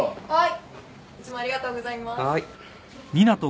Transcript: はい。